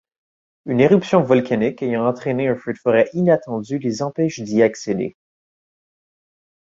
Une éruption volcanique ayant entraîné un feu de forêt inattendu les empêche d'y accéder.